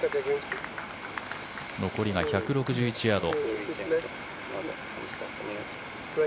残りが１６１ヤード。